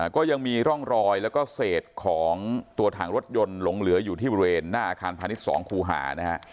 ก็ยังมีร่องรอยแล้วก็เศษของตัวถังรถยนต์หลงเหลืออยู่ที่บริเวณหน้าอาคารพาณิชย์๒คูหานะฮะ